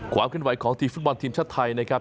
ความขึ้นไหวของทีมฟุตบอลทีมชาติไทยนะครับ